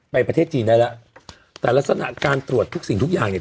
ประเทศจีนได้แล้วแต่ลักษณะการตรวจทุกสิ่งทุกอย่างเนี่ย